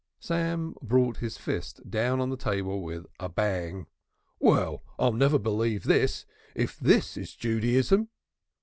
Sam brought his fist down on the table with a bang. "Well, I'll never believe this! If this is Judaism